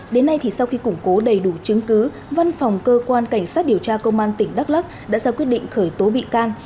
đến nay thì sau khi củng cố đầy đủ chứng cứ văn phòng cơ quan cảnh sát điều tra công an tỉnh đắk lắc đã ra quyết định khởi tố bị can